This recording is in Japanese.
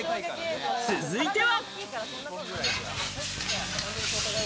続いては。